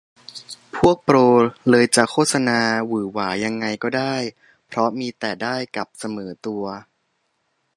พวกโปรเลยจะโฆษณาหวือหวายังไงก็ได้ เพราะมีแต่ได้กับเสมอตัว